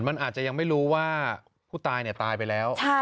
มันอาจจะยังไม่รู้ว่าผู้ตายตายไปแล้ว